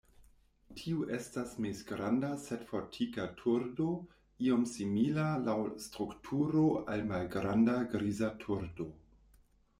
Tiu estas mezgranda sed fortika turdo, iom simila laŭ strukturo al malgranda Griza turdo.